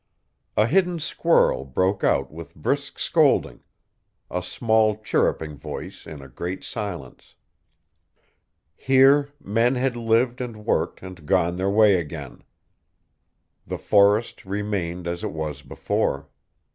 A hidden squirrel broke out with brisk scolding, a small chirruping voice in a great silence. Here men had lived and worked and gone their way again. The forest remained as it was before.